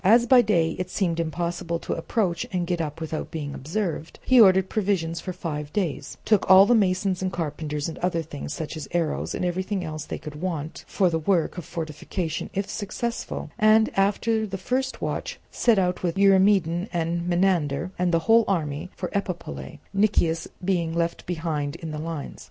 As by day it seemed impossible to approach and get up without being observed, he ordered provisions for five days, took all the masons and carpenters, and other things, such as arrows, and everything else that they could want for the work of fortification if successful, and, after the first watch, set out with Eurymedon and Menander and the whole army for Epipolae, Nicias being left behind in the lines.